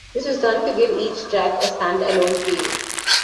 This was done to give each track a "stand-alone" feel.